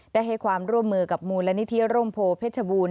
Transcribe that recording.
ได้ให้ความร่วมมือกับมูลนิธิร่มโพเพชรบูรณ